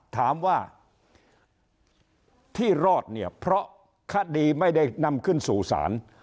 ถามว่าที่รอดเนี่ยเพราะคดีไม่ได้นำขึ้นสู่ศาล